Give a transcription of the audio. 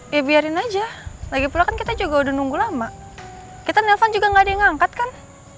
ya biarin aja lagi pula kan kita juga udah nunggu lama kita nelfon juga gak ada yang ngangkat kan